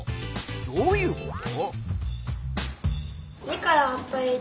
どういうこと？